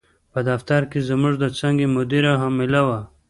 په دفتر کې زموږ د څانګې مدیره حامله وه.